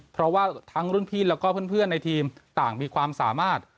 เพราะว่าทั้งรุ่นพี่แล้วก็เพื่อนในทีมต่างมีความสามารถ